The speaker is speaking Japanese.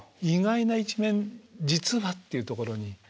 意外な一面実はっていうところに。